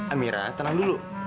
amira tenang dulu